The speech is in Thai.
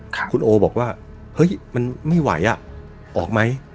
คุณโอบอกว่าเฮ้ยมันไม่ไหวอ่ะออกไหม